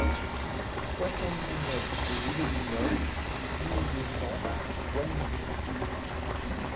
soixante-dix-neuf rue de Lignol, dix mille deux cents Voigny